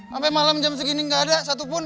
sampai malam jam segini nggak ada satupun